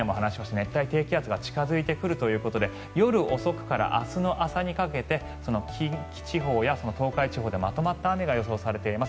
熱帯低気圧が近付いてくるということで夜遅くから明日の朝にかけて近畿地方や東海地方でまとまった雨が予想されています。